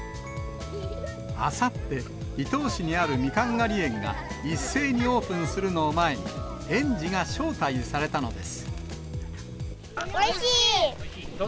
あさって、伊東市にあるミカン狩り園が一斉にオープンするのを前に、園児がおいしい！